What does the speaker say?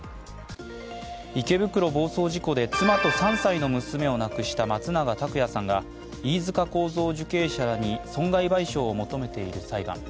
池袋暴走事故で妻と３歳の娘を亡くした松永拓也さんが飯塚幸三受刑者らに損害賠償を求めている裁判。